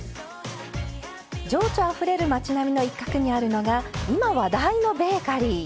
情緒あふれる町並みの一角にあるのが今話題のベーカリー。